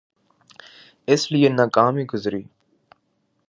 اس لئے ناکام ہی گزری۔